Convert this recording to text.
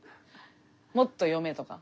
「もっと読め」とか。